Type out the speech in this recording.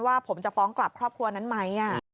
ว่าผมจะฟ้องกลับครอบครัวนั้นไหม